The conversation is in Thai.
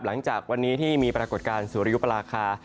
หลังจากวันนี้ที่มีปรากฏการณ์สุริยุปราคา